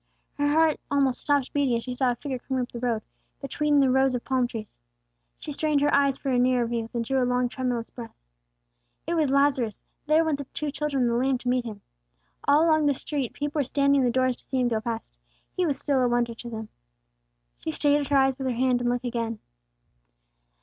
Her heart almost stopped beating as she saw a figure coming up the road, between the rows of palm trees. She strained her eyes for a nearer view, then drew a long tremulous breath. It was Lazarus; there went the two children and the lamb to meet him. All along the street, people were standing in the doors to see him go past; he was still a wonder to them. She shaded her eyes with her hand, and looked again.